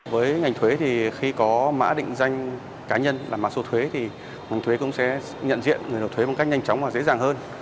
với ngành thuế thì khi có mã định danh cá nhân làm mã số thuế thì ngành thuế cũng sẽ nhận diện người nộp thuế một cách nhanh chóng và dễ dàng hơn